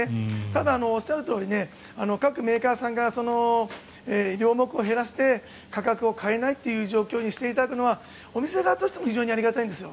ただ、おっしゃるとおり各メーカーさんが量を減らして価格を上げないということにするのはお店側としても非常にありがたいんですよ。